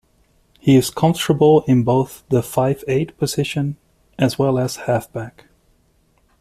He is comfortable in both the Five-eighth position as well as Halfback.